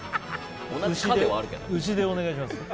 牛でお願いします。